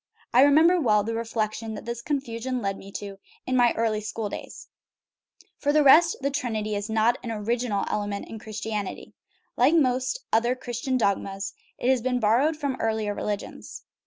I remember well the reflection that this confusion led me to in my early school days. For the rest, the " Trinity " is not an original ele 277 THE RIDDLE OF THE UNIVERSE ment in Christianity ; like most of the other Christian dogmas, it has been borrowed from earlier religions.